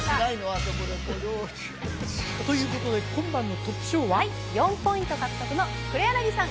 あそこでお料理ということで今晩のトップ賞ははい４ポイント獲得の黒柳さん